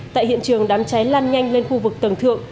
tại hiện trường đám cháy lan nhanh lên khu vực tầng thượng